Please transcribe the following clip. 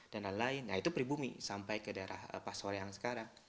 dan lain lain nah itu pribumi sampai ke daerah pasuari yang sekarang